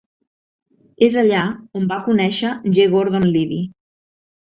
És allà on va conèixer G. Gordon Liddy.